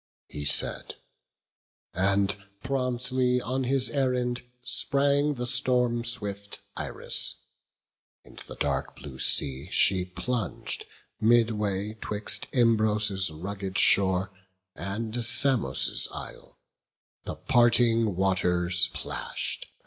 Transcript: He said; and promptly on his errand sprang The storm swift Iris; in the dark blue sea She plung'd, midway 'twixt Imbros' rugged shore And Samos' isle; the parting waters plash'd.